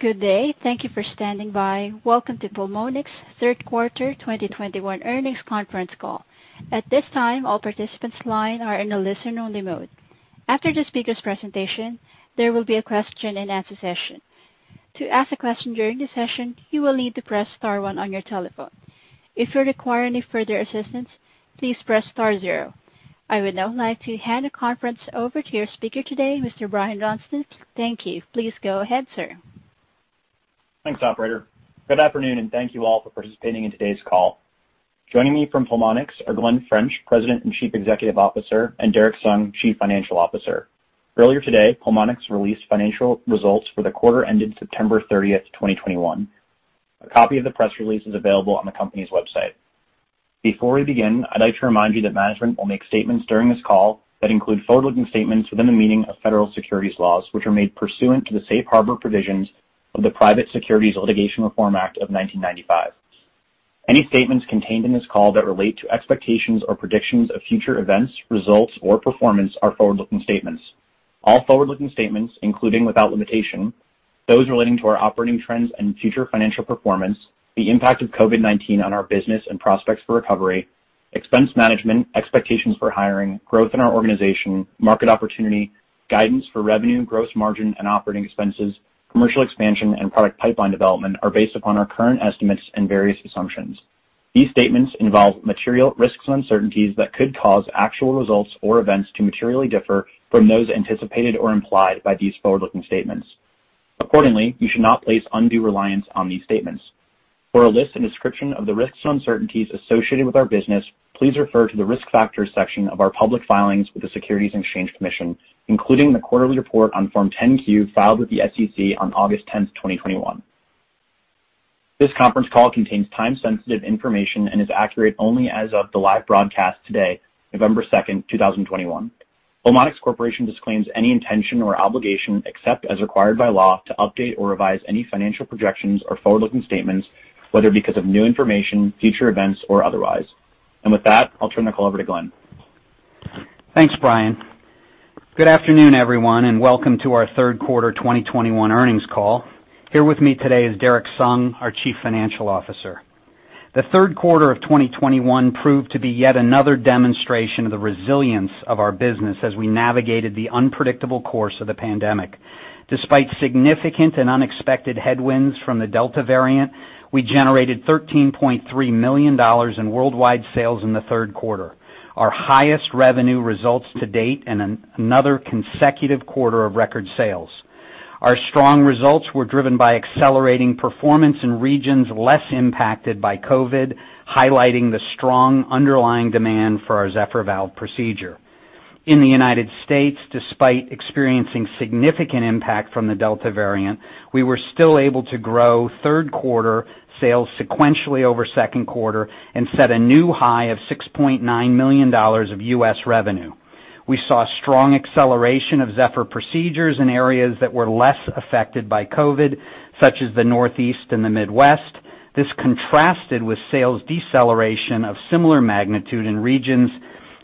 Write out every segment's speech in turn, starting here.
Good day. Thank you for standing by. Welcome to Pulmonx Third Quarter 2021 Earnings Conference Call. At this time, all participants' lines are in a listen-only mode. After the speaker's presentation, there will be a question-and-answer session. To ask a question during the session, you will need to press star one on your telephone. If you require any further assistance, please press star zero. I would now like to hand the conference over to your speaker today, Mr. Brian Johnston. Thank you. Please go ahead, sir. Thanks, operator. Good afternoon, and thank you all for participating in today's call. Joining me from Pulmonx are Glen French, President and Chief Executive Officer, and Derrick Sung, Chief Financial Officer. Earlier today, Pulmonx released financial results for the quarter ending September 30th, 2021. A copy of the press release is available on the company's website. Before we begin, I'd like to remind you that management will make statements during this call that include forward-looking statements within the meaning of federal securities laws, which are made pursuant to the safe harbor provisions of the Private Securities Litigation Reform Act of 1995. Any statements contained in this call that relate to expectations or predictions of future events, results, or performance are forward-looking statements. All forward-looking statements, including, without limitation, those relating to our operating trends and future financial performance, the impact of COVID-19 on our business and prospects for recovery, expense management, expectations for hiring, growth in our organization, market opportunity, guidance for revenue, gross margin, and operating expenses, commercial expansion, and product pipeline development are based upon our current estimates and various assumptions. These statements involve material risks and uncertainties that could cause actual results or events to materially differ from those anticipated or implied by these forward-looking statements. Accordingly, you should not place undue reliance on these statements. For a list and description of the risks and uncertainties associated with our business, please refer to the Risk Factors section of our public filings with the Securities and Exchange Commission, including the quarterly report on Form 10-Q filed with the SEC on August 10th, 2021. This conference call contains time-sensitive information and is accurate only as of the live broadcast today, November 2nd, 2021. Pulmonx Corporation disclaims any intention or obligation, except as required by law, to update or revise any financial projections or forward-looking statements, whether because of new information, future events, or otherwise. With that, I'll turn the call over to Glen. Thanks, Brian. Good afternoon, everyone, and welcome to our third quarter 2021 earnings call. Here with me today is Derrick Sung, our Chief Financial Officer. The third quarter of 2021 proved to be yet another demonstration of the resilience of our business as we navigated the unpredictable course of the pandemic. Despite significant and unexpected headwinds from the Delta variant, we generated $13.3 million in worldwide sales in the third quarter, our highest revenue results to date and another consecutive quarter of record sales. Our strong results were driven by accelerating performance in regions less impacted by COVID, highlighting the strong underlying demand for our Zephyr Valve procedure. In the United States, despite experiencing significant impact from the Delta variant, we were still able to grow third quarter sales sequentially over second quarter and set a new high of $6.9 million of U.S. revenue. We saw strong acceleration of Zephyr procedures in areas that were less affected by COVID, such as the Northeast and the Midwest. This contrasted with sales deceleration of similar magnitude in regions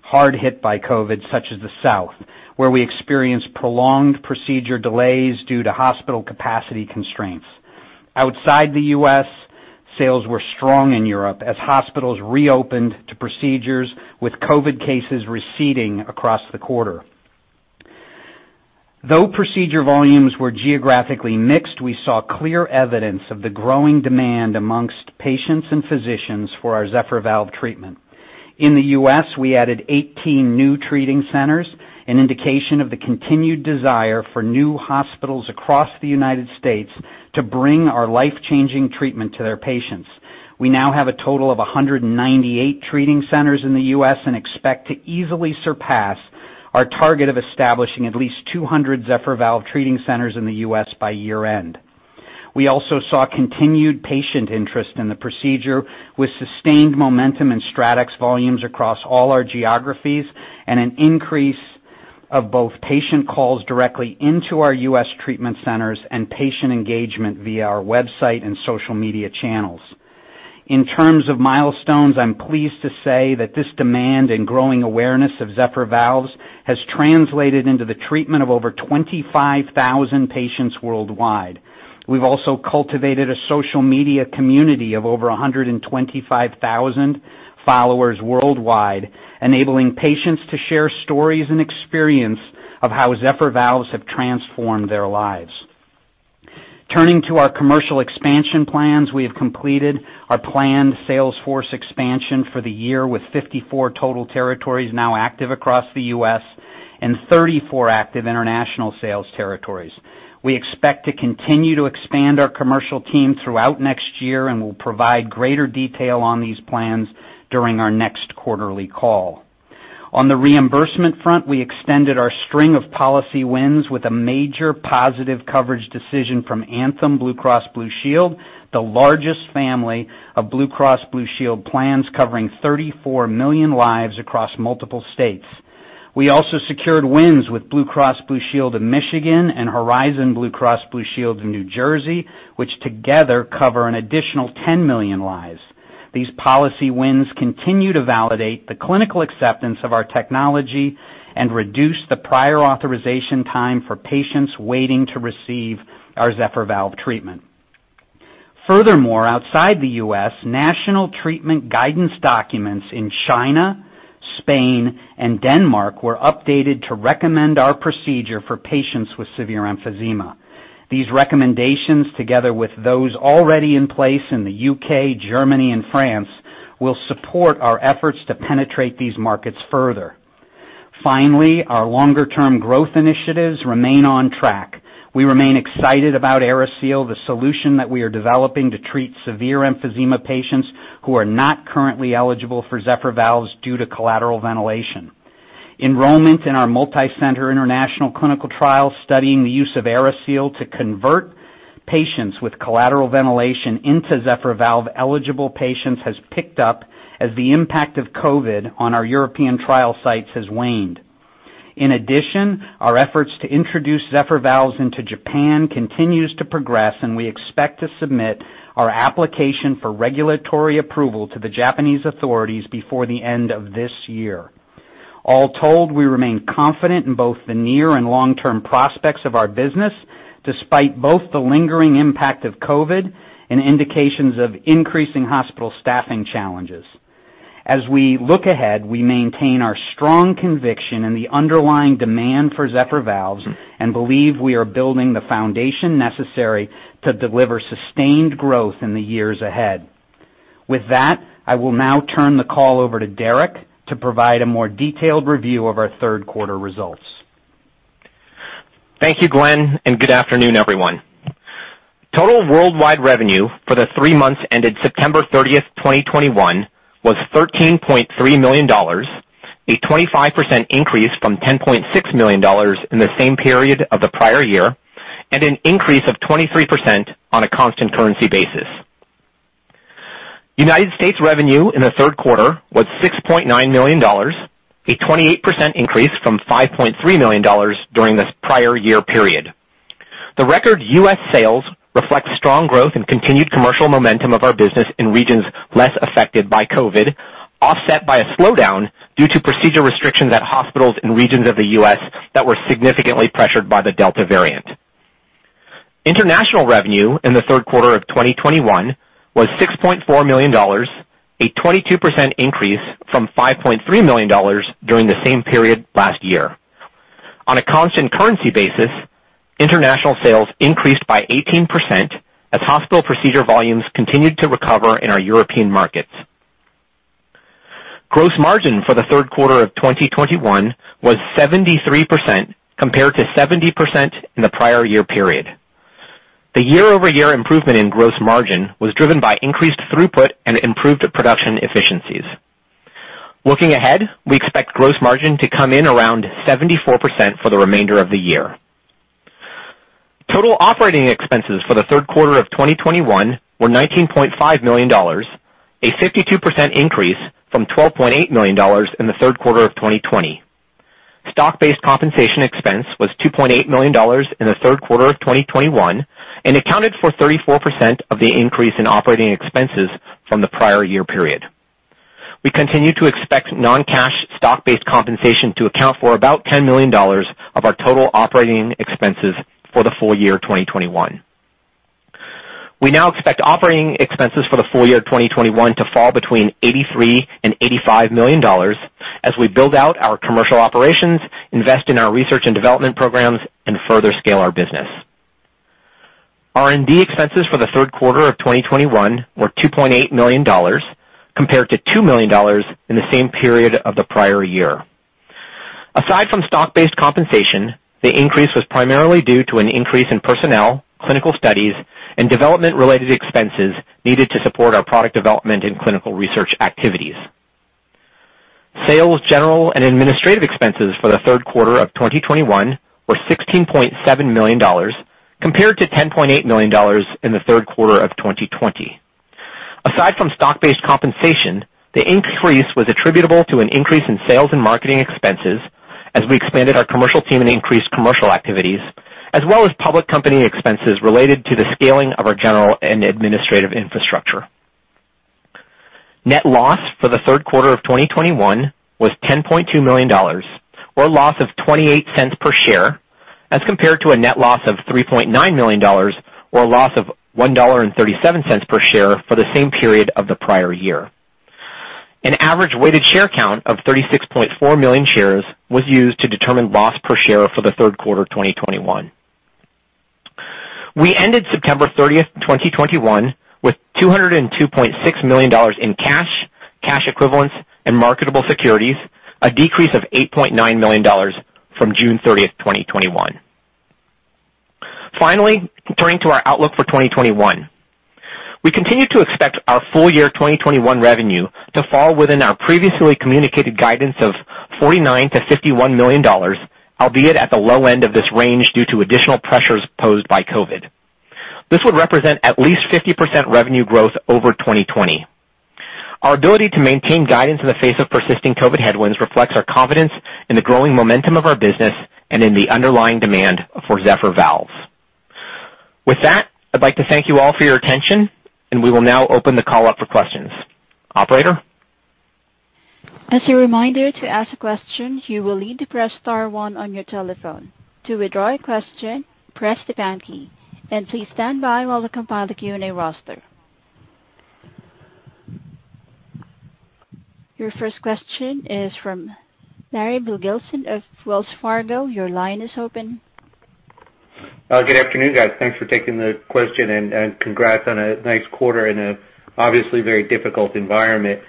hard hit by COVID, such as the South, where we experienced prolonged procedure delays due to hospital capacity constraints. Outside the U.S., sales were strong in Europe as hospitals reopened to procedures with COVID cases receding across the quarter. Though procedure volumes were geographically mixed, we saw clear evidence of the growing demand among patients and physicians for our Zephyr Valve treatment. In the U.S., we added 18 new treating centers, an indication of the continued desire for new hospitals across the United States to bring our life-changing treatment to their patients. We now have a total of 198 treating centers in the U.S. and expect to easily surpass our target of establishing at least 200 Zephyr Valve treating centers in the U.S. by year-end. We also saw continued patient interest in the procedure, with sustained momentum in StratX volumes across all our geographies and an increase of both patient calls directly into our U.S. treatment centers and patient engagement via our website and social media channels. In terms of milestones, I'm pleased to say that this demand and growing awareness of Zephyr Valves has translated into the treatment of over 25,000 patients worldwide. We've also cultivated a social media community of over 125,000 followers worldwide, enabling patients to share stories and experience of how Zephyr Valves have transformed their lives. Turning to our commercial expansion plans, we have completed our planned sales force expansion for the year, with 54 total territories now active across the U.S. and 34 active international sales territories. We expect to continue to expand our commercial team throughout next year and we'll provide greater detail on these plans during our next quarterly call. On the reimbursement front, we extended our string of policy wins with a major positive coverage decision from Anthem Blue Cross and Blue Shield, the largest family of Blue Cross Blue Shield plans covering 34 million lives across multiple states. We also secured wins with Blue Cross Blue Shield of Michigan and Horizon Blue Cross Blue Shield of New Jersey, which together cover an additional 10 million lives. These policy wins continue to validate the clinical acceptance of our technology and reduce the prior authorization time for patients waiting to receive our Zephyr Valve treatment. Furthermore, outside the U.S., national treatment guidance documents in China, Spain, and Denmark were updated to recommend our procedure for patients with severe emphysema. These recommendations, together with those already in place in the U.K., Germany, and France, will support our efforts to penetrate these markets further. Finally, our longer-term growth initiatives remain on track. We remain excited about AeriSeal, the solution that we are developing to treat severe emphysema patients who are not currently eligible for Zephyr Valves due to collateral ventilation. Enrollment in our multi-center international clinical trial studying the use of AeriSeal to convert patients with collateral ventilation into Zephyr Valve eligible patients has picked up as the impact of COVID on our European trial sites has waned. In addition, our efforts to introduce Zephyr Valves into Japan continues to progress and we expect to submit our application for regulatory approval to the Japanese authorities before the end of this year. All told, we remain confident in both the near and long-term prospects of our business, despite both the lingering impact of COVID and indications of increasing hospital staffing challenges. As we look ahead, we maintain our strong conviction in the underlying demand for Zephyr Valves and believe we are building the foundation necessary to deliver sustained growth in the years ahead. With that, I will now turn the call over to Derrick to provide a more detailed review of our third quarter results. Thank you, Glen, and good afternoon, everyone. Total worldwide revenue for the three months ended September 30th, 2021 was $13.3 million, a 25% increase from $10.6 million in the same period of the prior year, and an increase of 23% on a constant currency basis. United States revenue in the third quarter was $6.9 million, a 28% increase from $5.3 million during this prior year period. The record U.S. sales reflects strong growth and continued commercial momentum of our business in regions less affected by COVID, offset by a slowdown due to procedure restrictions at hospitals in regions of the U.S. that were significantly pressured by the Delta variant. International revenue in the third quarter of 2021 was $6.4 million, a 22% increase from $5.3 million during the same period last year. On a constant currency basis, international sales increased by 18% as hospital procedure volumes continued to recover in our European markets. Gross margin for the third quarter of 2021 was 73% compared to 70% in the prior year period. The year-over-year improvement in gross margin was driven by increased throughput and improved production efficiencies. Looking ahead, we expect gross margin to come in around 74% for the remainder of the year. Total operating expenses for the third quarter of 2021 were $19.5 million, a 52% increase from $12.8 million in the third quarter of 2020. Stock-based compensation expense was $2.8 million in the third quarter of 2021 and accounted for 34% of the increase in operating expenses from the prior year period. We continue to expect non-cash stock-based compensation to account for about $10 million of our total operating expenses for the full-year 2021. We now expect operating expenses for the full-year of 2021 to fall between $83 million and $85 million as we build out our commercial operations, invest in our research and development programs, and further scale our business. R&D expenses for the third quarter of 2021 were $2.8 million compared to $2 million in the same period of the prior year. Aside from stock-based compensation, the increase was primarily due to an increase in personnel, clinical studies, and development-related expenses needed to support our product development and clinical research activities. Sales, general, and administrative expenses for the third quarter of 2021 were $16.7 million compared to $10.8 million in the third quarter of 2020. Aside from stock-based compensation, the increase was attributable to an increase in sales and marketing expenses as we expanded our commercial team and increased commercial activities, as well as public company expenses related to the scaling of our general and administrative infrastructure. Net loss for the third quarter of 2021 was $10.2 million, or a loss of $0.28 per share, as compared to a net loss of $3.9 million or a loss of $1.37 per share for the same period of the prior year. An average weighted share count of 36.4 million shares was used to determine loss per share for the third quarter of 2021. We ended September 30th, 2021 with $202.6 million in cash equivalents, and marketable securities, a decrease of $8.9 million from June 30th, 2021. Finally, turning to our outlook for 2021. We continue to expect our full-year 2021 revenue to fall within our previously communicated guidance of $49 million-$51 million, albeit at the low end of this range due to additional pressures posed by COVID. This would represent at least 50% revenue growth over 2020. Our ability to maintain guidance in the face of persisting COVID headwinds reflects our confidence in the growing momentum of our business and in the underlying demand for Zephyr Valves. With that, I'd like to thank you all for your attention and we will now open the call up for questions. Operator? As a reminder to ask a question, you will need to press star one on your telephone. To withdraw a question, press the pound key. Please stand by while I compile the Q&A roster. Your first question is from Larry Biegelsen of Wells Fargo. Your line is open. Good afternoon, guys. Thanks for taking the question and congrats on a nice quarter in a obviously very difficult environment.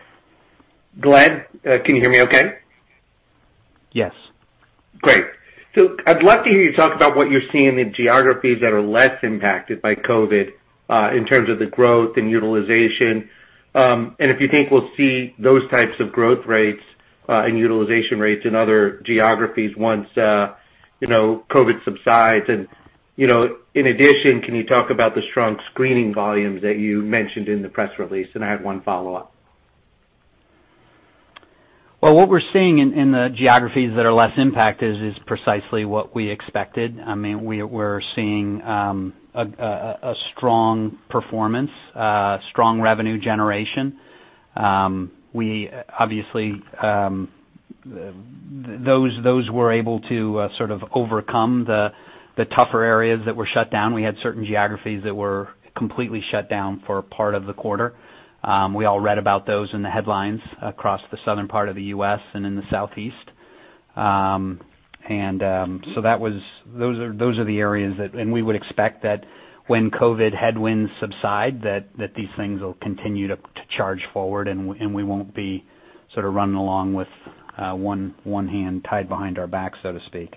Glen, can you hear me okay? Yes. Great. I'd love to hear you talk about what you're seeing in geographies that are less impacted by COVID in terms of the growth and utilization. If you think we'll see those types of growth rates and utilization rates in other geographies once you know COVID subsides. You know, in addition, can you talk about the strong screening volumes that you mentioned in the press release? I have one follow-up. Well, what we're seeing in the geographies that are less impacted is precisely what we expected. I mean, we're seeing a strong performance, strong revenue generation. We obviously, those were able to sort of overcome the tougher areas that were shut down. We had certain geographies that were completely shut down for part of the quarter. We all read about those in the headlines across the southern part of the U.S. and in the southeast. Those are the areas that we would expect that when COVID headwinds subside, these things will continue to charge forward, and we won't be sort of running along with one hand tied behind our back, so to speak.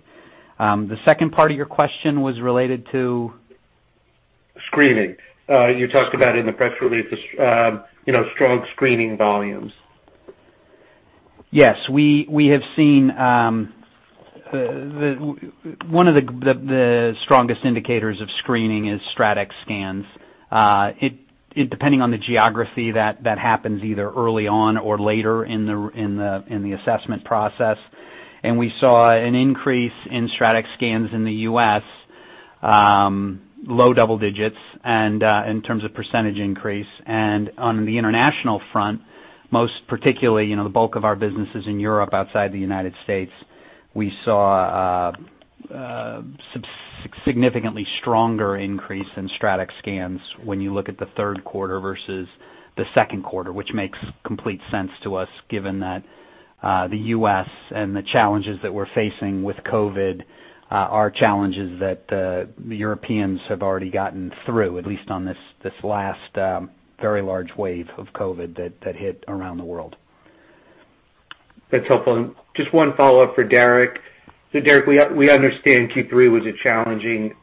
The second part of your question was related to? Screening. You talked about in the press release the, you know, strong screening volumes. Yes. We have seen one of the strongest indicators of screening is StratX scans. It depends on the geography that happens either early on or later in the assessment process. We saw an increase in StratX scans in the U.S., low double-digits in terms of percentage increase. On the international front, most particularly, you know, the bulk of our businesses in Europe, outside the United States, we saw significantly stronger increase in StratX scans when you look at the third quarter versus the second quarter, which makes complete sense to us given that the U.S. and the challenges that we're facing with COVID are challenges that the Europeans have already gotten through, at least on this last very large wave of COVID that hit around the world. That's helpful. Just one follow-up for Derrick. Derrick, we understand Q3 was a challenging,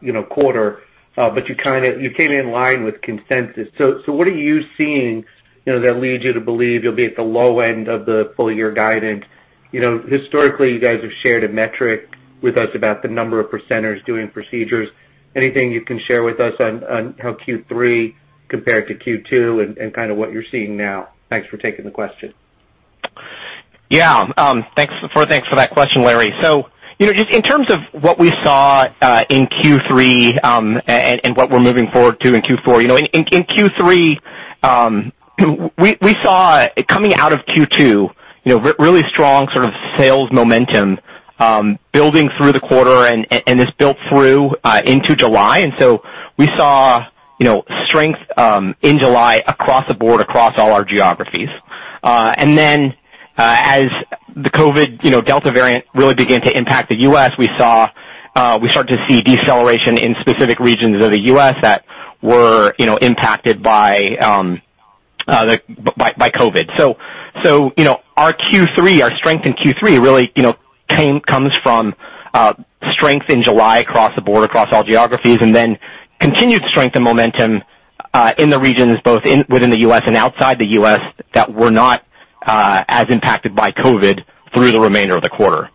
you know, quarter, but you kinda came in line with consensus. So what are you seeing, you know, that leads you to believe you'll be at the low end of the full-year guidance? You know, historically you guys have shared a metric with us about the number of centers doing procedures. Anything you can share with us on how Q3 compared to Q2 and kinda what you're seeing now. Thanks for taking the question. Yeah. Thanks for that question, Larry. So, you know, just in terms of what we saw in Q3 and what we're moving forward to in Q4, you know, in Q3 we saw coming out of Q2, you know, really strong sort of sales momentum building through the quarter and this built through into July. We saw, you know, strength in July across the board, across all our geographies. And then, as the COVID, you know, Delta variant really began to impact the U.S., we saw, we started to see deceleration in specific regions of the U.S. that were, you know, impacted by COVID. You know, our Q3 strength in Q3 really, you know, comes from strength in July across the board, across all geographies, and then continued strength and momentum in the regions both within the U.S. and outside the U.S. that were not as impacted by COVID through the remainder of the quarter.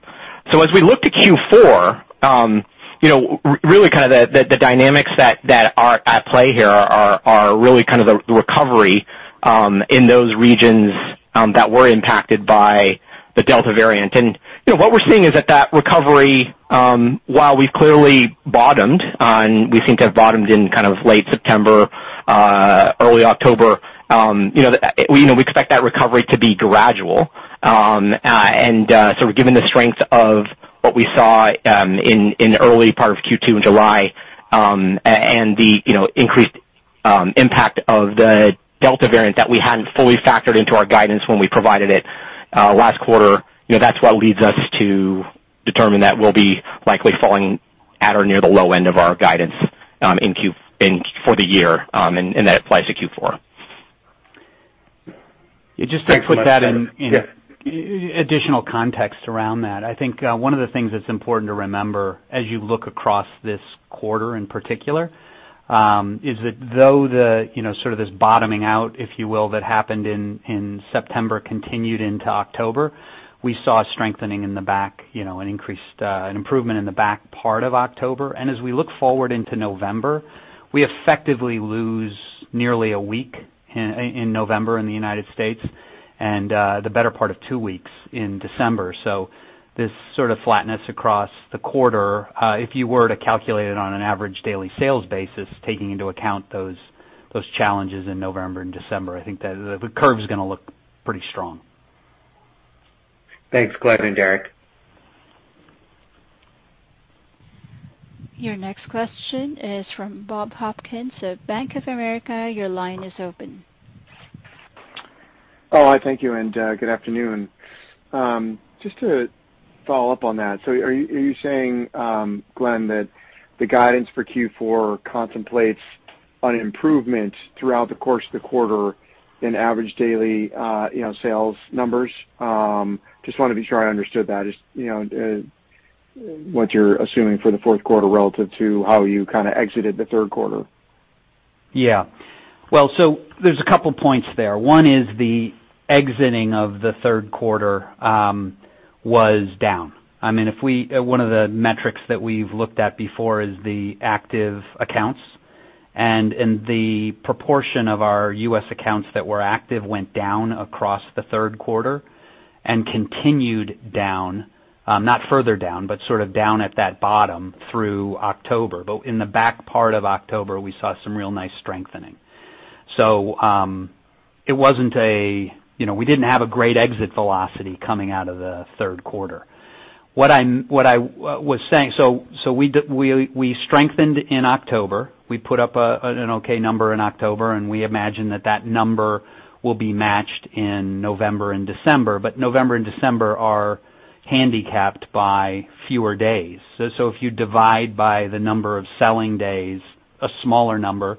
As we look to Q4, you know, really kind of the dynamics that are at play here are really kind of the recovery in those regions that were impacted by the Delta variant. You know, what we're seeing is that recovery, while we've clearly bottomed out, we think it bottomed out in kind of late September, early October, you know, we expect that recovery to be gradual. Given the strength of what we saw in early part of Q2 in July and the, you know, increased impact of the Delta variant that we hadn't fully factored into our guidance when we provided it last quarter, you know, that's what leads us to determine that we'll be likely falling at or near the low end of our guidance in Q4 for the year, and that applies to Q4. Yeah, just to put that in additional context around that. I think one of the things that's important to remember as you look across this quarter in particular is that though the, you know, sort of this bottoming out, if you will, that happened in September continued into October, we saw a strengthening in the back, you know, an improvement in the back part of October. As we look forward into November, we effectively lose nearly a week in November in the United States and the better part of two weeks in December. So this sort of flatness across the quarter, if you were to calculate it on an average daily sales basis, taking into account those challenges in November and December, I think that the curve is gonna look pretty strong. Thanks, Glen and Derrick. Your next question is from Bob Hopkins of Bank of America. Your line is open. Oh, thank you, and good afternoon. Just to follow up on that, so are you saying, Glen, that the guidance for Q4 contemplates an improvement throughout the course of the quarter in average daily, you know, sales numbers? Just want to be sure I understood that. Just, you know, what you're assuming for the fourth quarter relative to how you kinda exited the third quarter. Yeah. Well, there's a couple points there. One is the exiting of the third quarter was down. I mean, one of the metrics that we've looked at before is the active accounts. The proportion of our U.S. accounts that were active went down across the third quarter and continued down, not further down, but sort of down at that bottom through October. In the back part of October, we saw some real nice strengthening. It wasn't a, you know, we didn't have a great exit velocity coming out of the third quarter. What I was saying, we strengthened in October. We put up an okay number in October, and we imagine that that number will be matched in November and December. November and December are handicapped by fewer days. If you divide by the number of selling days, a smaller number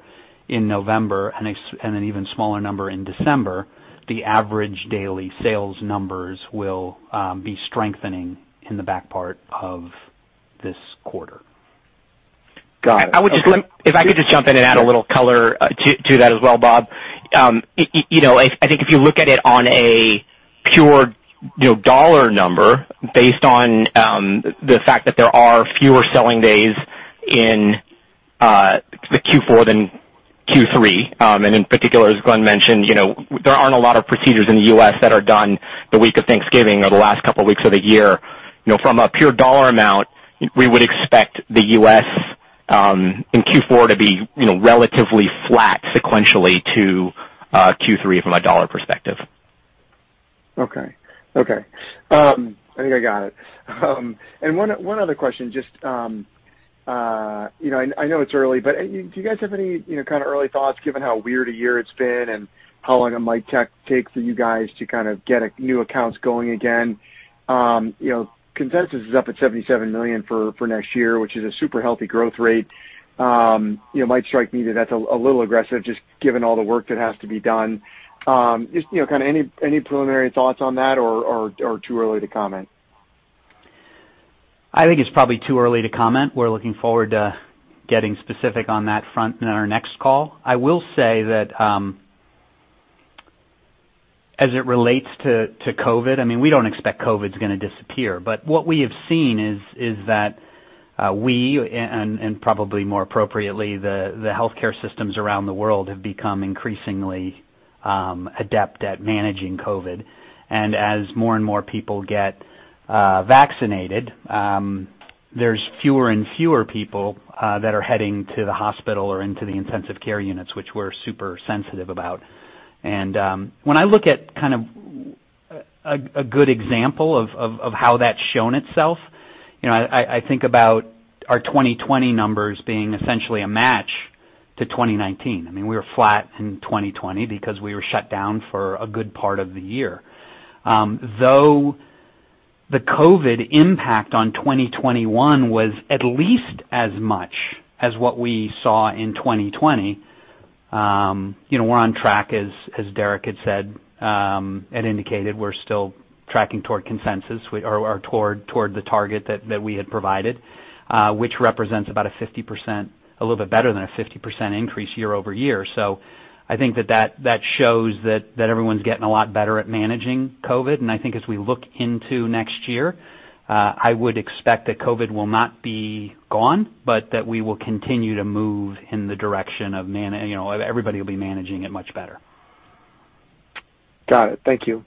in November and an even smaller number in December, the average daily sales numbers will be strengthening in the back part of this quarter. Got it. I would just if I could just jump in and add a little color to that as well, Bob. You know, I think if you look at it on a pure dollar number based on the fact that there are fewer selling days in the Q4 than Q3, and in particular, as Glen mentioned, you know, there aren't a lot of procedures in the U.S. that are done the week of Thanksgiving or the last couple of weeks of the year. You know, from a pure dollar amount, we would expect the U.S. in Q4 to be relatively flat sequentially to Q3 from a dollar perspective. Okay. I think I got it. One other question, just, you know, I know it's early, but do you guys have any, you know, kind of early thoughts given how weird a year it's been and how long it might take for you guys to kind of get new accounts going again? You know, consensus is up at $77 million for next year, which is a super healthy growth rate. You know, it might strike me that that's a little aggressive just given all the work that has to be done. Just, you know, kind of any preliminary thoughts on that or too early to comment. I think it's probably too early to comment. We're looking forward to getting specific on that front in our next call. I will say that, as it relates to COVID, I mean, we don't expect COVID is gonna disappear. What we have seen is that we and probably more appropriately the healthcare systems around the world have become increasingly adept at managing COVID. As more and more people get vaccinated, there's fewer and fewer people that are heading to the hospital or into the intensive care units, which we're super sensitive about. When I look at kind of a good example of how that's shown itself, you know, I think about our 2020 numbers being essentially a match to 2019. I mean, we were flat in 2020 because we were shut down for a good part of the year. Though the COVID impact on 2021 was at least as much as what we saw in 2020, you know, we're on track as Derrick had said, had indicated. We're still tracking toward consensus or toward the target that we had provided, which represents about a 50%, a little bit better than a 50% increase year-over-year. I think that shows that everyone's getting a lot better at managing COVID. I think as we look into next year, I would expect that COVID will not be gone, but that we will continue to move in the direction of, you know, everybody will be managing it much better. Got it. Thank you.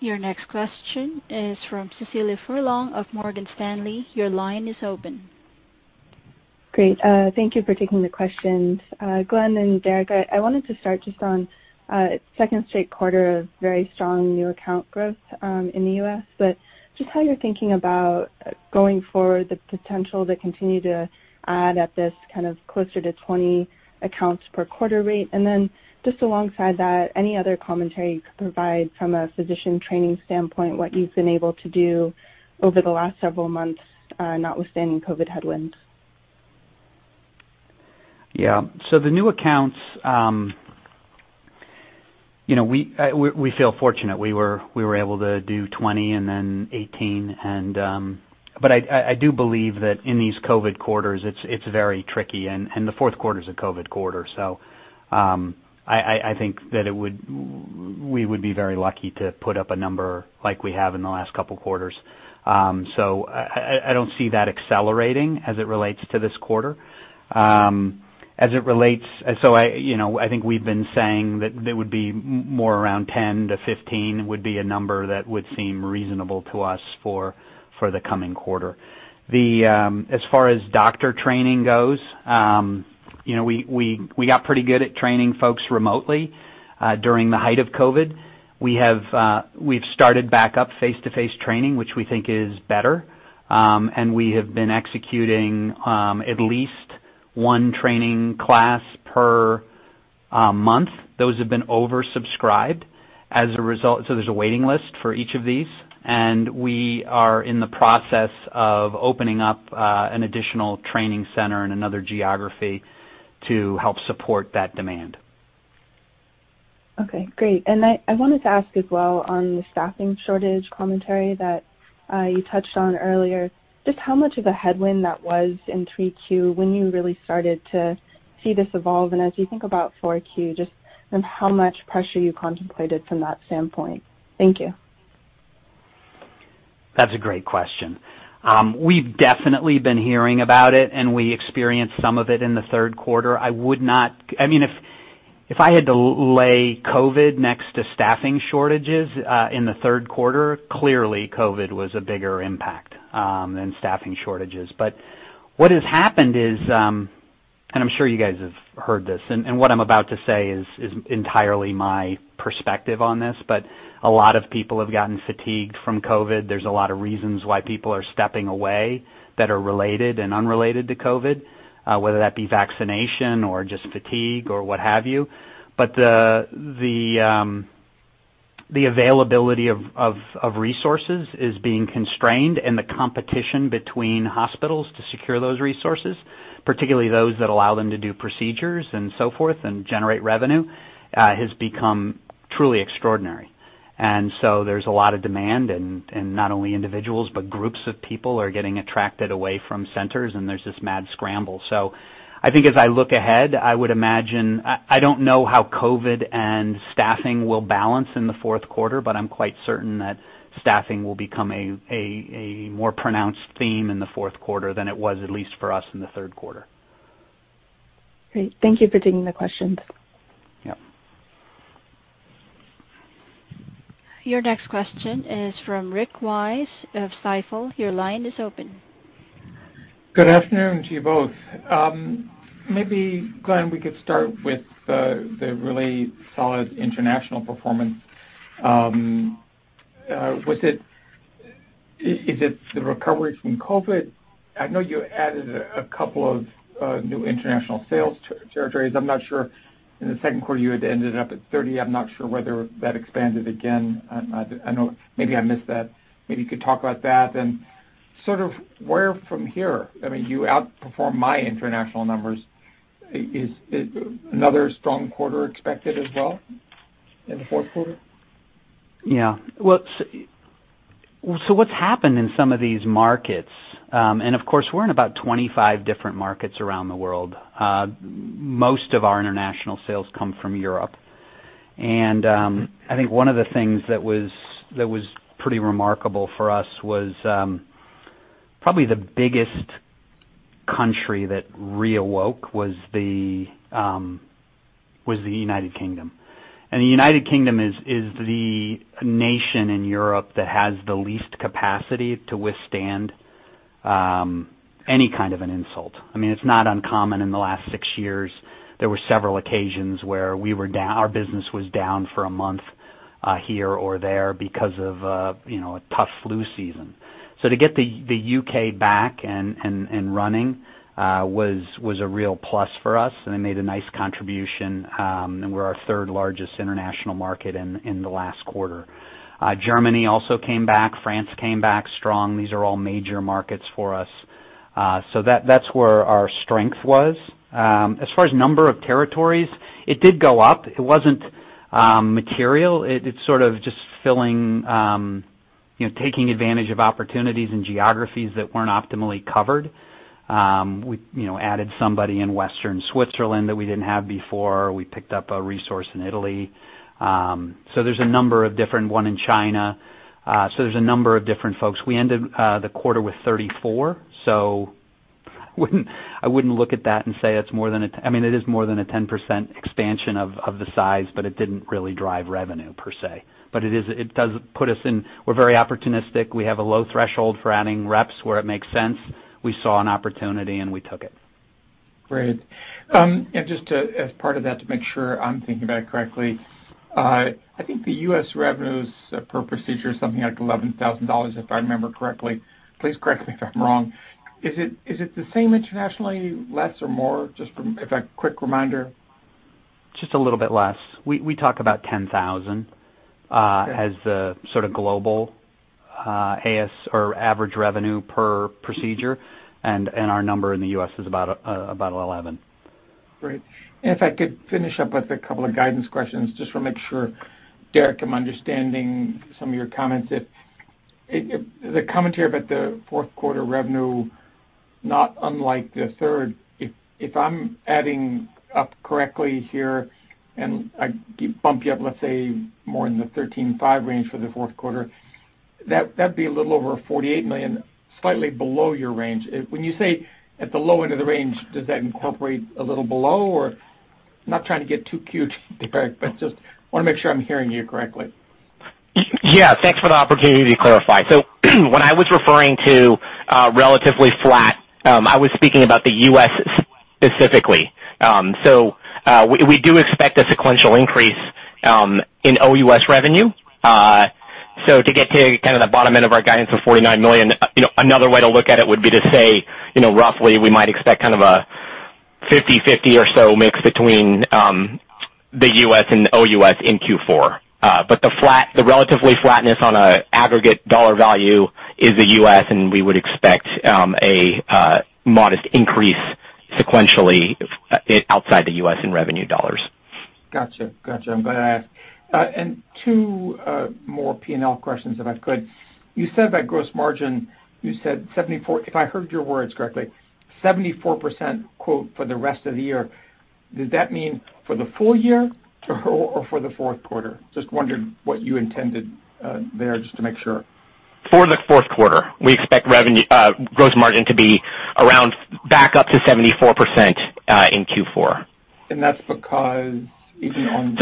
Your next question is from Cecilia Furlong of Morgan Stanley. Your line is open. Great. Thank you for taking the questions. Glen and Derrick, I wanted to start just on second straight quarter of very strong new account growth in the U.S. Just how you're thinking about going forward, the potential to continue to add at this kind of closer to 20 accounts per quarter rate. Then just alongside that, any other commentary you could provide from a physician training standpoint, what you've been able to do over the last several months, notwithstanding COVID headwinds. Yeah. The new accounts, you know, we feel fortunate. We were able to do 20 and then 18. I do believe that in these COVID quarters, it's very tricky, and the fourth quarter is a COVID quarter. I think that we would be very lucky to put up a number like we have in the last couple quarters. I don't see that accelerating as it relates to this quarter. I, you know, I think we've been saying that there would be more around 10-15 would be a number that would seem reasonable to us for the coming quarter. As far as doctor training goes, you know, we got pretty good at training folks remotely during the height of COVID. We've started back up face-to-face training, which we think is better. We have been executing at least one training class per month. Those have been oversubscribed as a result, so there's a waiting list for each of these. We are in the process of opening up an additional training center in another geography to help support that demand. Okay, great. I wanted to ask as well on the staffing shortage commentary that you touched on earlier, just how much of a headwind that was in 3Q when you really started to see this evolve, and as you think about 4Q, just how much pressure you contemplated from that standpoint. Thank you. That's a great question. We've definitely been hearing about it, and we experienced some of it in the third quarter. I mean, if I had to lay COVID next to staffing shortages in the third quarter, clearly COVID was a bigger impact than staffing shortages. What has happened is, and I'm sure you guys have heard this, and what I'm about to say is entirely my perspective on this, but a lot of people have gotten fatigued from COVID. There's a lot of reasons why people are stepping away that are related and unrelated to COVID, whether that be vaccination or just fatigue or what have you. The availability of resources is being constrained and the competition between hospitals to secure those resources, particularly those that allow them to do procedures and so forth and generate revenue, has become truly extraordinary. There's a lot of demand, and not only individuals, but groups of people are getting attracted away from centers, and there's this mad scramble. I think as I look ahead, I would imagine. I don't know how COVID and staffing will balance in the fourth quarter, but I'm quite certain that staffing will become a more pronounced theme in the fourth quarter than it was, at least for us in the third quarter. Great. Thank you for taking the questions. Yeah. Your next question is from Rick Wise of Stifel. Your line is open. Good afternoon to you both. Maybe, Glen, we could start with the really solid international performance. Was it the recovery from COVID? I know you added a couple of new international sales territories. I'm not sure in the second quarter you had ended up at 30. I'm not sure whether that expanded again. I know maybe I missed that. Maybe you could talk about that. Sort of where from here? I mean, you outperformed my international numbers. Is another strong quarter expected as well in the fourth quarter? Yeah. Well, what's happened in some of these markets, and of course, we're in about 25 different markets around the world. Most of our international sales come from Europe. I think one of the things that was pretty remarkable for us was probably the biggest country that reawoke was the United Kingdom. The United Kingdom is the nation in Europe that has the least capacity to withstand any kind of an insult. I mean, it's not uncommon in the last six years, there were several occasions where our business was down for a month here or there because of you know, a tough flu season. To get the U.K. back and running was a real plus for us, and it made a nice contribution, and it was our third largest international market in the last quarter. Germany also came back, France came back strong. These are all major markets for us. That's where our strength was. As far as number of territories, it did go up. It wasn't material. It's sort of just filling you know taking advantage of opportunities and geographies that weren't optimally covered. We you know added somebody in Western Switzerland that we didn't have before. We picked up a resource in Italy. There's a number of different. One in China. There's a number of different folks. We ended the quarter with 34, so I wouldn't look at that and say it's more than a I mean, it is more than a 10% expansion of the size, but it didn't really drive revenue per se. It does put us in. We're very opportunistic. We have a low threshold for adding reps where it makes sense. We saw an opportunity and we took it. Great. Just to, as part of that, to make sure I'm thinking about it correctly, I think the U.S. revenues per procedure is something like $11,000, if I remember correctly. Please correct me if I'm wrong. Is it the same internationally, less or more? Just for a quick reminder. Just a little bit less. We talk about $10,000- Okay. As the sort of global or average revenue per procedure. Our number in the U.S. is about $11,000. Great. If I could finish up with a couple of guidance questions, just to make sure, Derrick, I'm understanding some of your comments. If the commentary about the fourth quarter revenue, not unlike the third, if I'm adding up correctly here and I bump you up, let's say more in the $13.5 million range for the fourth quarter That'd be a little over $48 million, slightly below your range. When you say at the low end of the range, does that incorporate a little below or. Not trying to get too cute, Derrick, but just want to make sure I'm hearing you correctly. Yeah, thanks for the opportunity to clarify. When I was referring to relatively flat, I was speaking about the U.S. specifically. We do expect a sequential increase in OUS revenue. To get to kind of the bottom end of our guidance of $49 million, you know, another way to look at it would be to say, you know, roughly, we might expect kind of a 50/50 or so mix between the U.S. and OUS in Q4. The relatively flatness on an aggregate dollar value is the U.S., and we would expect a modest increase sequentially outside the U.S. in revenue dollars. Got you. I'm glad I asked. Two more P&L questions, if I could. You said that gross margin, you said 74%. If I heard your words correctly, 74%, quote, for the rest of the year. Does that mean for the full-year or for the fourth quarter? Just wondering what you intended there, just to make sure. For the fourth quarter, we expect revenue, gross margin to be around back up to 74%, in Q4. That's because even on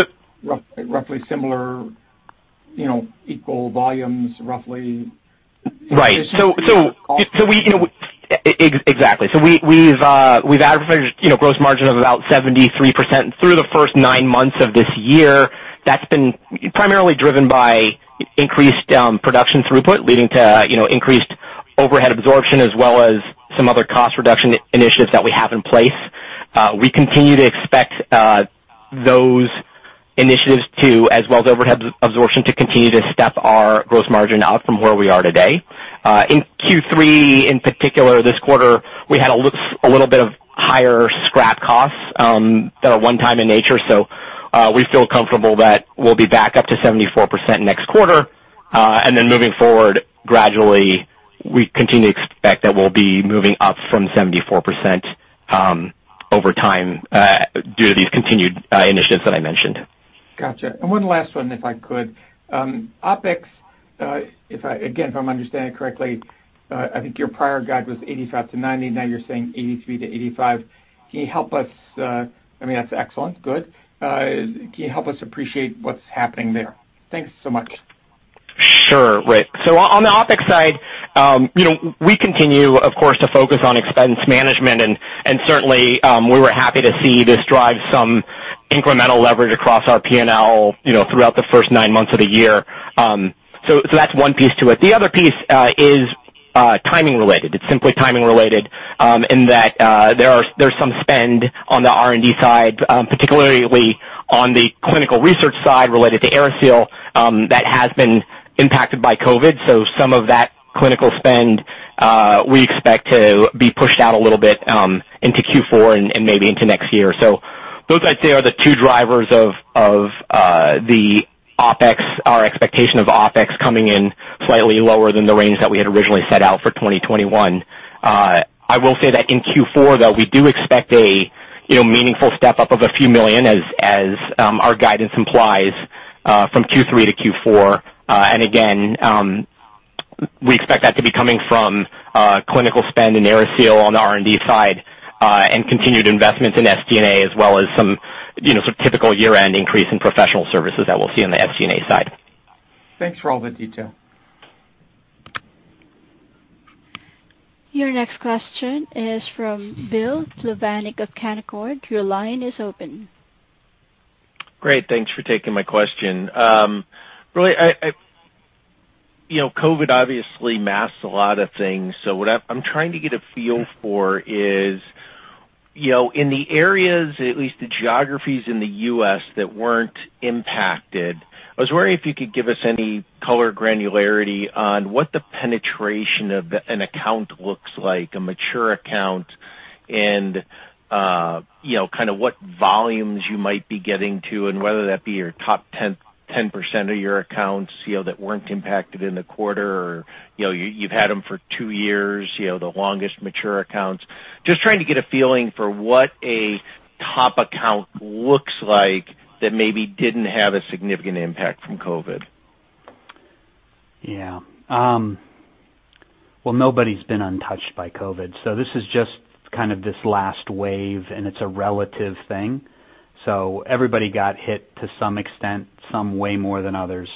roughly similar, you know, equal volumes, roughly. Right. We've averaged, you know, gross margin of about 73% through the first nine months of this year. That's been primarily driven by increased production throughput, leading to, you know, increased overhead absorption, as well as some other cost reduction initiatives that we have in place. We continue to expect those initiatives, as well as overhead absorption, to continue to step our gross margin out from where we are today. In Q3, in particular, this quarter, we had a little bit of higher scrap costs that are one-time in nature. We feel comfortable that we'll be back up to 74% next quarter. Moving forward, gradually, we continue to expect that we'll be moving up from 74%, over time, due to these continued initiatives that I mentioned. Gotcha. One last one, if I could. OpEx, again, if I'm understanding correctly, I think your prior guide was $85 million-$90 million. Now you're saying $83 million-$85 million. Can you help us, I mean, that's excellent. Good. Can you help us appreciate what's happening there? Thanks so much. Sure, Rick. On the OpEx side, you know, we continue, of course, to focus on expense management, and certainly, we were happy to see this drive some incremental leverage across our P&L, you know, throughout the first nine months of the year. That's one piece to it. The other piece is timing related. It's simply timing related, in that, there's some spend on the R&D side, particularly on the clinical research side related to AeriSeal, that has been impacted by COVID. Some of that clinical spend, we expect to be pushed out a little bit, into Q4 and maybe into next year. Those, I'd say, are the two drivers of the OpEx, our expectation of OpEx coming in slightly lower than the range that we had originally set out for 2021. I will say that in Q4, though, we do expect a, you know, meaningful step-up of a few million as our guidance implies from Q3 to Q4. And again, we expect that to be coming from clinical spend in AeriSeal on the R&D side and continued investments in SG&A, as well as some, you know, some typical year-end increase in professional services that we'll see on the SG&A side. Thanks for all the detail. Your next question is from Bill Plovanic of Canaccord. Your line is open. Great. Thanks for taking my question. Really, you know, COVID obviously masks a lot of things. What I'm trying to get a feel for is, you know, in the areas, at least the geographies in the U.S. that weren't impacted, I was wondering if you could give us any color granularity on what the penetration of an account looks like, a mature account, and you know, kind of what volumes you might be getting to, and whether that be your top 10% of your accounts, you know, that weren't impacted in the quarter or you know, you've had them for two years, you know, the longest mature accounts. Just trying to get a feeling for what a top account looks like that maybe didn't have a significant impact from COVID. Yeah. Well, nobody's been untouched by COVID. This is just kind of this last wave, and it's a relative thing. Everybody got hit to some extent, some way more than others.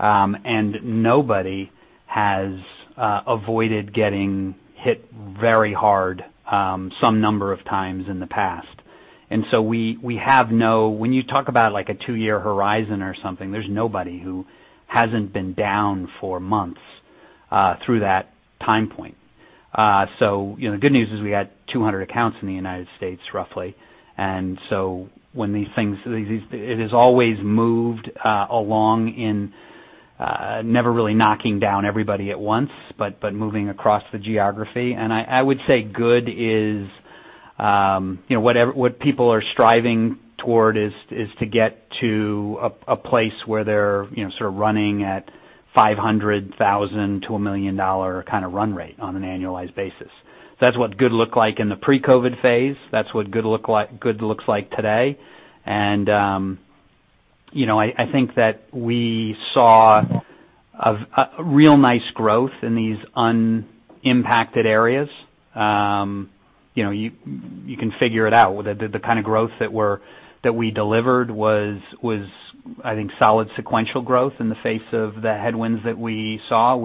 Nobody has avoided getting hit very hard, some number of times in the past. When you talk about, like, a two-year horizon or something, there's nobody who hasn't been down for months through that time point. You know, the good news is we got 200 accounts in the United States, roughly. It has always moved along in, never really knocking down everybody at once, but moving across the geography. I would say good is, you know, what people are striving toward is to get to a place where they're, you know, sort of running at $500,000-$1 million kinda run rate on an annualized basis. That's what good looked like in the pre-COVID phase. That's what good looks like today. You know, I think that we saw a real nice growth in these unimpacted areas. You know, you can figure it out. The kind of growth that we delivered was, I think, solid sequential growth in the face of the headwinds that we saw.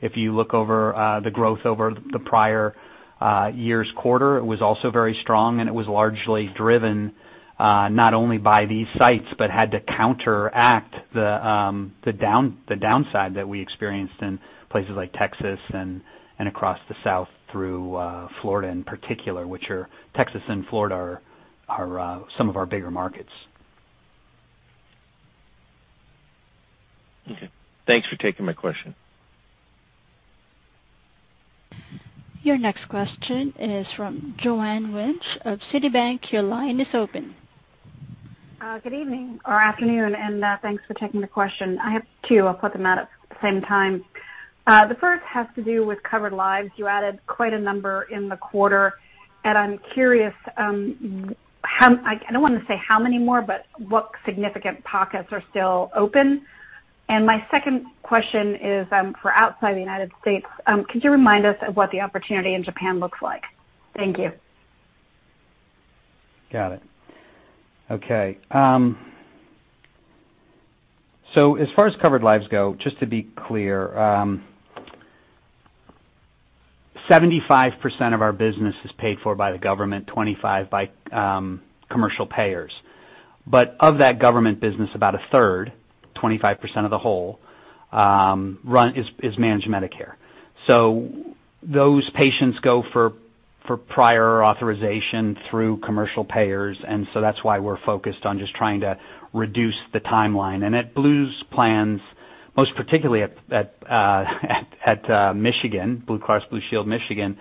If you look over the growth over the prior year's quarter, it was also very strong, and it was largely driven not only by these sites, but had to counteract the downside that we experienced in places like Texas and across the South through Florida in particular, which are Texas and Florida, are some of our bigger markets. Okay. Thanks for taking my question. Your next question is from Joanne Wuensch of Citibank. Your line is open. Good evening or afternoon, and thanks for taking the question. I have two. I'll put them out at the same time. The first has to do with covered lives. You added quite a number in the quarter, and I'm curious. I don't wanna say how many more, but what significant pockets are still open. My second question is, for outside the United States, could you remind us of what the opportunity in Japan looks like? Thank you. Got it. Okay. As far as covered lives go, just to be clear, 75% of our business is paid for by the government, 25% by commercial payers. Of that government business, about 1/3, 25% of the whole, is Managed Medicare. Those patients go for prior authorization through commercial payers, and that's why we're focused on just trying to reduce the timeline. At Blue's plans, most particularly at Michigan, Blue Cross Blue Shield of Michigan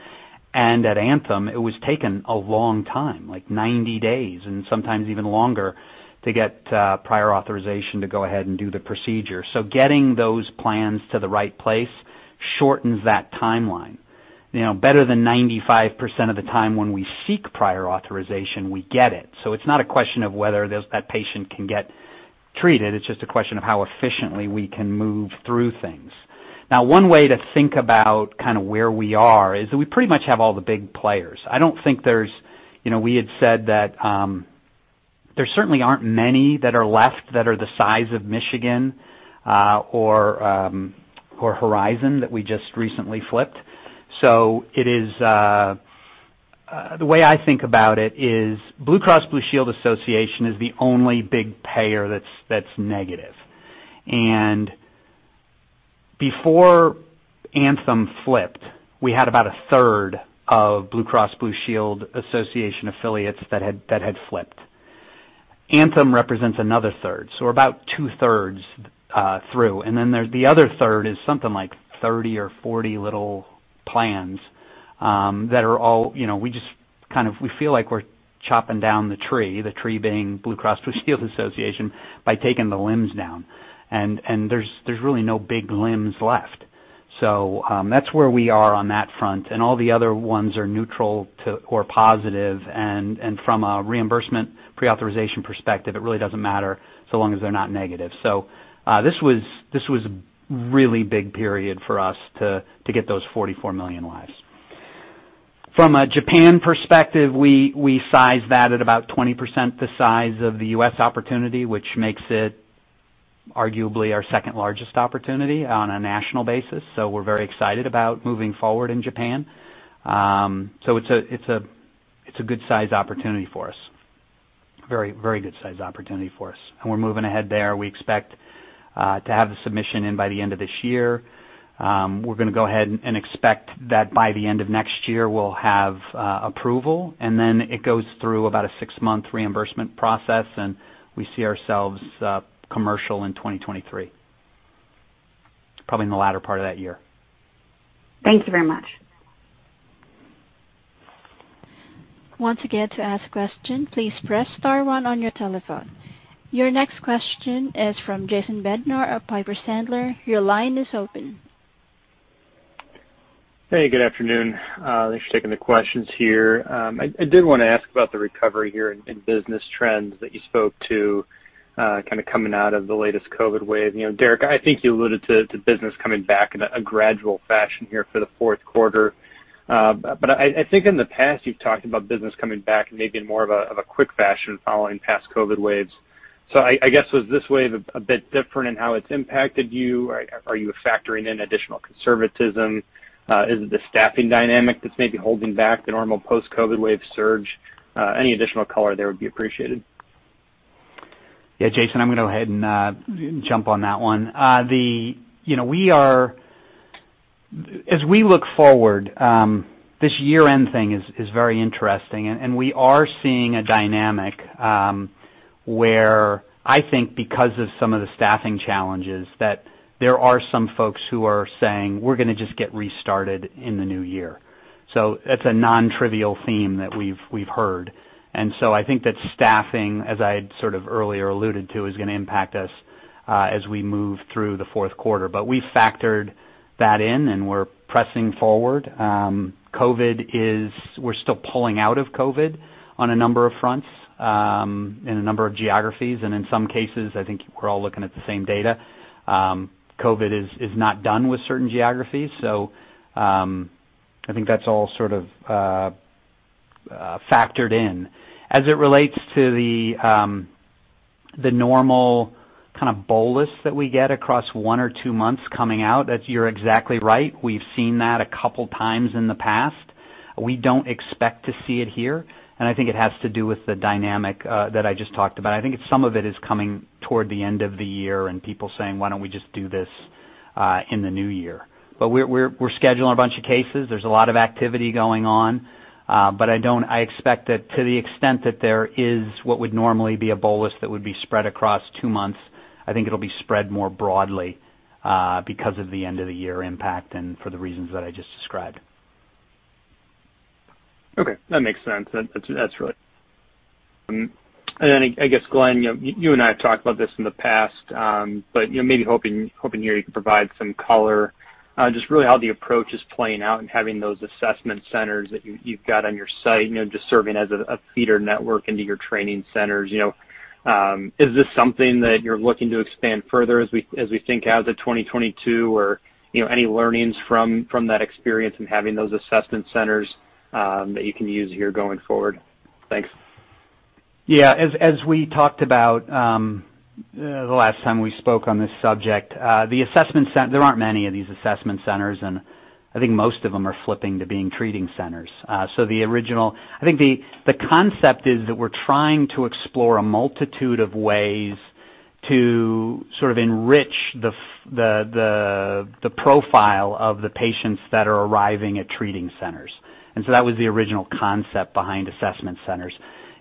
and at Anthem, it was taken a long time, like 90 days and sometimes even longer, to get prior authorization to go ahead and do the procedure. Getting those plans to the right place shortens that timeline. You know, better than 95% of the time when we seek prior authorization, we get it. It's not a question of whether that patient can get treated. It's just a question of how efficiently we can move through things. Now, one way to think about kinda where we are is that we pretty much have all the big players. You know, we had said that there certainly aren't many that are left that are the size of Michigan or Horizon that we just recently flipped. The way I think about it is Blue Cross Blue Shield Association is the only big payer that's negative. Before Anthem flipped, we had about 1/3 of Blue Cross Blue Shield Association affiliates that had flipped. Anthem represents another 1/3, so we're about 2/3 through. There's the other 1/3 is something like 30 or 40 little plans, you know, we feel like we're chopping down the tree, the tree being Blue Cross Blue Shield Association, by taking the limbs down. There's really no big limbs left. That's where we are on that front, and all the other ones are neutral to or positive. From a reimbursement prior authorization perspective, it really doesn't matter so long as they're not negative. This was a really big period for us to get those 44 million lives. From a Japan perspective, we size that at about 20% the size of the U.S. opportunity, which makes it arguably our second largest opportunity on a national basis. We're very excited about moving forward in Japan. It's a good size opportunity for us. Very good size opportunity for us. We're moving ahead there. We expect to have the submission in by the end of this year. We're gonna go ahead and expect that by the end of next year we'll have approval, and then it goes through about a six-month reimbursement process, and we see ourselves commercial in 2023. Probably in the latter part of that year. Thank you very much. Once again to ask a question, please press star one on your telephone. Your next question is from Jason Bednar of Piper Sandler. Your line is open. Hey, good afternoon. Thanks for taking the questions here. I did wanna ask about the recovery here in business trends that you spoke to, kinda coming out of the latest COVID wave. You know, Derrick, I think you alluded to business coming back in a gradual fashion here for the fourth quarter. I think in the past you've talked about business coming back maybe in more of a quick fashion following past COVID waves. I guess was this wave a bit different in how it's impacted you? Are you factoring in additional conservatism? Is it the staffing dynamic that's maybe holding back the normal post-COVID wave surge? Any additional color there would be appreciated. Yeah, Jason, I'm gonna go ahead and jump on that one. You know, as we look forward, this year-end thing is very interesting, and we are seeing a dynamic where I think because of some of the staffing challenges, that there are some folks who are saying, "We're gonna just get restarted in the new year." That's a non-trivial theme that we've heard. I think that staffing, as I had sort of earlier alluded to, is gonna impact us as we move through the fourth quarter. We factored that in and we're pressing forward. We're still pulling out of COVID on a number of fronts, in a number of geographies, and in some cases, I think we're all looking at the same data. COVID is not done with certain geographies. I think that's all sort of factored in. As it relates to the normal kind of bolus that we get across one or two months coming out, that you're exactly right. We've seen that a couple times in the past. We don't expect to see it here. I think it has to do with the dynamic that I just talked about. I think some of it is coming toward the end of the year and people saying, "Why don't we just do this in the new year?" We're scheduling a bunch of cases. There's a lot of activity going on, but I don't. I expect that to the extent that there is what would normally be a bolus that would be spread across two months, I think it'll be spread more broadly, because of the end of the year impact and for the reasons that I just described. Okay, that makes sense. That's right. I guess, Glen, you know, you and I talked about this in the past, but you know, maybe hoping here you can provide some color, just really how the approach is playing out and having those assessment centers that you've got on your site, you know, just serving as a feeder network into your training centers, you know. Is this something that you're looking to expand further as we think out to 2022? Or you know, any learnings from that experience in having those assessment centers that you can use here going forward? Thanks. Yeah. As we talked about the last time we spoke on this subject, the assessment center. There aren't many of these assessment centers, and I think most of them are flipping to being treating centers. The original concept is that we're trying to explore a multitude of ways to sort of enrich the profile of the patients that are arriving at treating centers. That was the original concept behind assessment centers,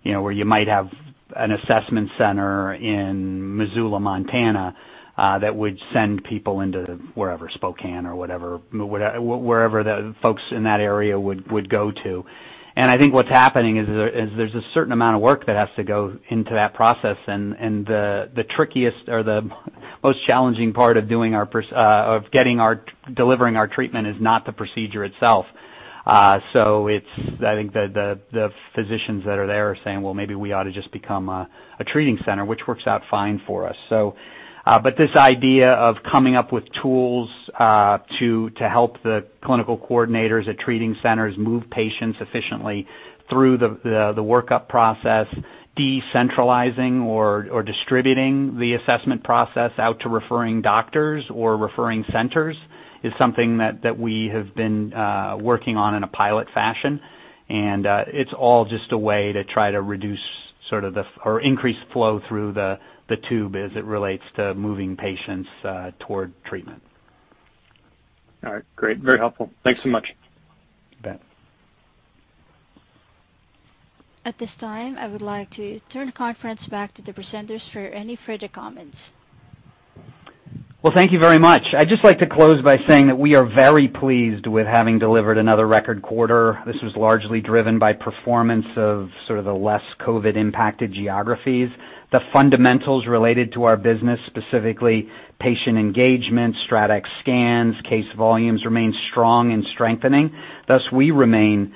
you know, where you might have an assessment center in Missoula, Montana, that would send people into wherever, Spokane or whatever, wherever the folks in that area would go to. I think what's happening is there's a certain amount of work that has to go into that process. The trickiest or the most challenging part of delivering our treatment is not the procedure itself. It's, I think, the physicians that are there are saying, "Well, maybe we ought to just become a treating center," which works out fine for us. This idea of coming up with tools to help the clinical coordinators at treating centers move patients efficiently through the workup process, decentralizing or distributing the assessment process out to referring doctors or referring centers is something that we have been working on in a pilot fashion. It's all just a way to try to reduce sort of the or increase flow through the tube as it relates to moving patients toward treatment. All right, great. Very helpful. Thanks so much. You bet. At this time, I would like to turn the conference back to the presenters for any further comments. Well, thank you very much. I'd just like to close by saying that we are very pleased with having delivered another record quarter. This was largely driven by performance of sort of the less COVID-impacted geographies. The fundamentals related to our business, specifically patient engagement, StratX scans, case volumes, remain strong and strengthening. Thus, we remain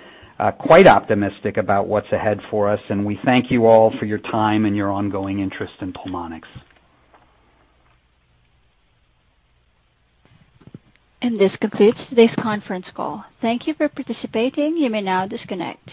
quite optimistic about what's ahead for us, and we thank you all for your time and your ongoing interest in Pulmonx. This concludes today's conference call. Thank you for participating. You may now disconnect.